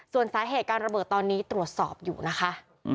ส่วนสาเหตุการระเบิดตอนนี้ตรวจสอบอยู่นะคะ